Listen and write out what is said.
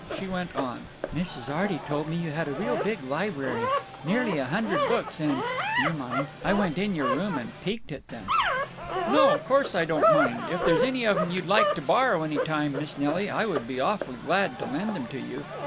She went on: "Mrs. Arty told me you had a real big library—nearly a hundred books and—Do you mind? I went in your room and peeked at them." "No, course I don't mind! If there's any of them you'd like to borrow any time, Miss Nelly, I would be awful glad to lend them to you….